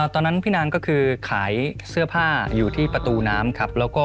ตอนนั้นพี่นางขายเสื้อผ้าอยู่ที่ปตู้น้ำ